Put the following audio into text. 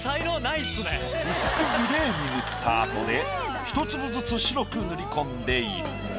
薄くグレーに塗ったあとで１粒ずつ白く塗り込んでいく。